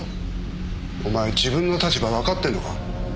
お前自分の立場わかってんのか？